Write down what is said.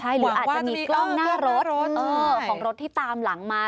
หรืออาจจะมีกล้องหน้ารถของรถที่ตามหลังมา